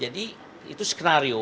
jadi itu skenario